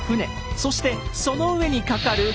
そしてその上に架かる橋。